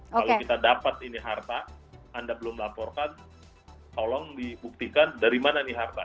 kalau kita dapat ini harta anda belum laporkan tolong dibuktikan dari mana nih harta